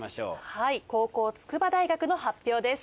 はい後攻筑波大学の発表です。